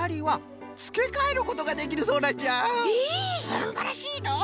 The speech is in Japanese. すんばらしいのう！